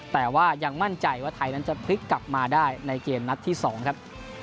แต่ว่ายังมั่นใจว่าไทยนั้นจะพลิกกลับมาได้ในเกมนัดที่๒ครับ